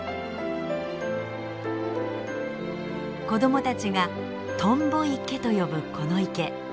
子どもたちが「とんぼ池」と呼ぶこの池。